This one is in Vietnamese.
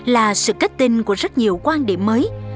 là sự kết tinh của rất nhiều quan điểm mới